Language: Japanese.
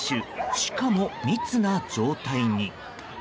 しかも、密な状態に。